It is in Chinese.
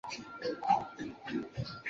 命他办理军机事务。